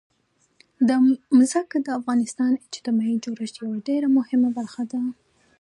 ځمکه د افغانستان د اجتماعي جوړښت یوه ډېره مهمه برخه ده.